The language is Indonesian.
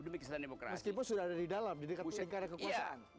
meskipun sudah ada di dalam jadi katanya tidak ada kekuasaan